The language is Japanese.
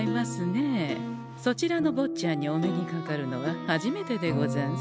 そちらのぼっちゃんにお目にかかるのは初めてでござんす。